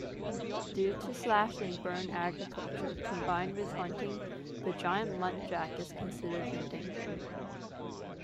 Due to slash-and-burn agriculture, combined with hunting, the giant muntjac is considered endangered.